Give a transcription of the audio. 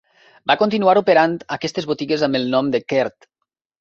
Va continuar operant aquestes botigues amb el nom d'Eckerd.